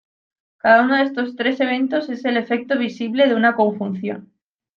Cada uno de estos tres eventos es el efecto visible de una conjunción.